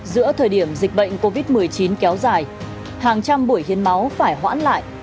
giữa thời điểm dịch bệnh covid một mươi chín kéo dài hàng trăm buổi hiến máu phải hoãn lại